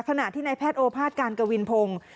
ขณะที่นายแพทย์โอภาษการกวินพงศ์